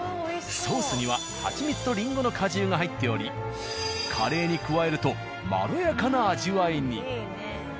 ソースにははちみつとリンゴの果汁が入っておりカレーに加えるとまろやかな味わいに。